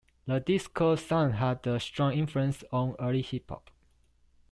The disco sound had a strong influence on early hip hop.